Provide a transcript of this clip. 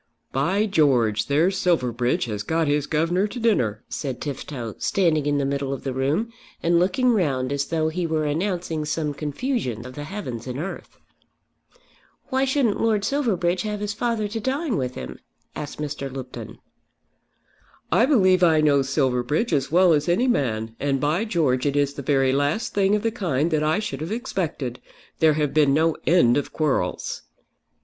"By George, there's Silverbridge has got his governor to dinner," said Tifto, standing in the middle of the room, and looking round as though he were announcing some confusion of the heavens and earth. "Why shouldn't Lord Silverbridge have his father to dine with him?" asked Mr. Lupton. "I believe I know Silverbridge as well as any man, and by George it is the very last thing of the kind that I should have expected. There have been no end of quarrels."